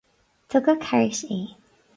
Tugadh thart é.